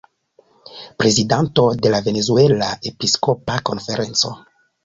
Prezidanto de la "Venezuela Episkopa Konferenco".